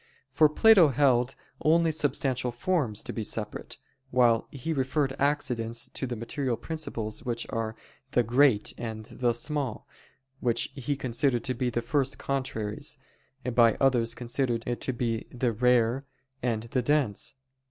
For Plato held only substantial forms to be separate; while he referred accidents to the material principles which are "the great" and "the small," which he considered to be the first contraries, by others considered to the "the rare" and "the dense."